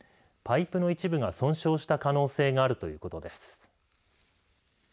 パイプの一部が損傷した可能性があるということです。